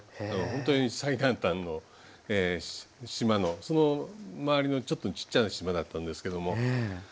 ほんとに最南端の島のその周りのちょっとちっちゃな島だったんですけどもはい。